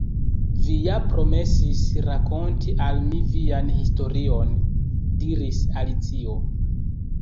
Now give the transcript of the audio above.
"Vi ja promesis rakonti al mi vian historion," diris Alicio.